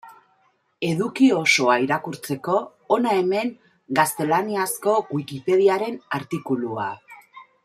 Eduki osoa irakurtzeko hona hemen gaztelaniazko Wikipediaren artikulua.